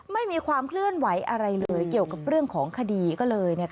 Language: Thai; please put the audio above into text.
ไม่มีความเคลื่อนไหวอะไรเลยเกี่ยวกับเรื่องของคดีก็เลย